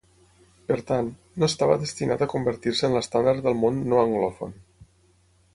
Per tant, no estava destinat a convertir-se en l'estàndard del món no anglòfon.